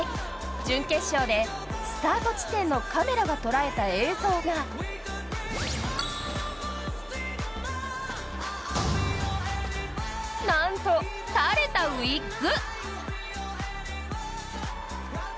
準決勝でスタート地点のカメラが捉えた映像がなんと垂れたウイッグ。